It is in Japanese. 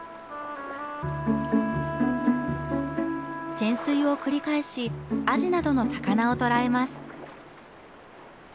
潜水を繰り返しアジなどの魚を捕らえます。